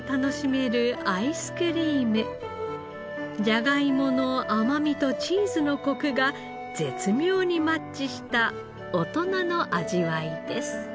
じゃがいもの甘みとチーズのコクが絶妙にマッチした大人の味わいです。